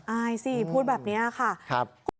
อายสิพูดแบบนี้ค่ะ